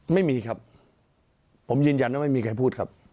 ไม่มีครับผมยืนยันว่าไม่มีใครพูดครับ